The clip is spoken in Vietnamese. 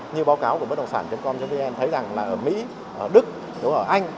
như báo cáo của bất động sản com vn thấy rằng là ở mỹ đức ở anh